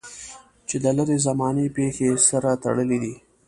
چې د لرې زمانې پېښې یې سره تړلې دي.